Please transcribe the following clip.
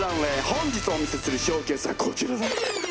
本日お見せするショーケースはこちらだ！